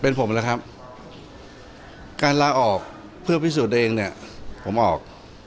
เป็นผมแล้วครับการลาออกเพื่อพิสูจน์เองเนี่ยผมออก